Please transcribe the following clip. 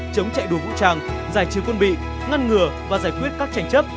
chống chạy đua vũ trang giải trừ quân bị ngăn ngừa và giải quyết các tranh chấp